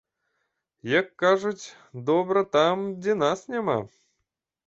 Як кажуць, добра там, дзе нас няма.